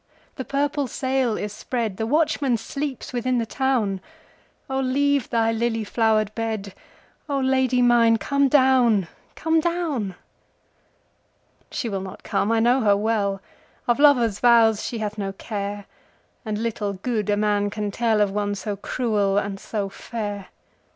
the purple sail is spread, The watchman sleeps within the town,O leave thy lily flowered bed,O Lady mine come down, come down! She will not come, I know her well, Of lover's vows she hath no care, And little good a man can tellOf one so cruel and so fair.